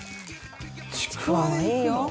ちくわはいいよ。